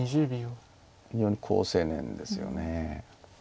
非常に好青年ですよね。